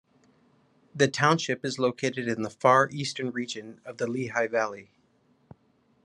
The township is located in the far eastern region of the Lehigh Valley.